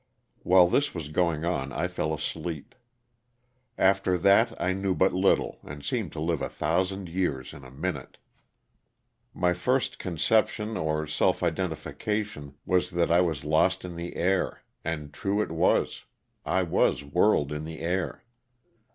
While this was going on I fell asleep. After that I knew but little and seemed to live a thousand years in a minute. My first conception or self identi LOSS OF THE SULTANA. 175 fication was that I was lost in the air, and true it was — I was whirled in the air.